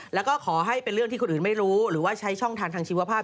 แล้วก็ขอให้เป็นเรื่องที่คนอื่นไม่รู้หรือว่าใช้ช่องทางทางชีวภาพ